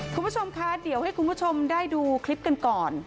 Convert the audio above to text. คุณผู้ชมคะเดี๋ยวให้คุณผู้ชมได้ดูคลิปกันก่อน